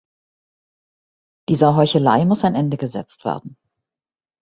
Dieser Heuchelei muss ein Ende gesetzt werden.